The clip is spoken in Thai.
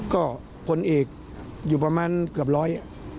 ก็พลเอกอยู่ประมาณเกือบร้อย